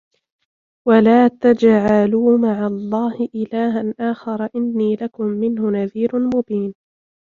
وَلا تَجعَلوا مَعَ اللَّهِ إِلهًا آخَرَ إِنّي لَكُم مِنهُ نَذيرٌ مُبينٌ